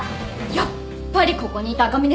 やっぱりここにいた赤嶺さん！